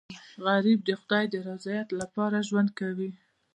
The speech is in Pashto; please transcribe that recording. غریب د خدای د رضا لپاره ژوند کوي